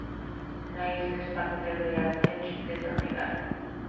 La isla es parte del Gaeltacht de Donegal.